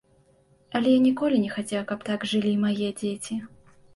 Але я ніколі не хацеў, каб так жылі мае дзеці.